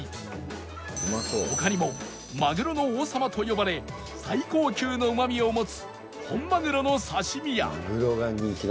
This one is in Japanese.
他にもマグロの王様と呼ばれ最高級のうまみを持つ本マグロの刺身や